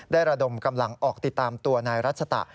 ระดมกำลังออกติดตามตัวนายรัชตะ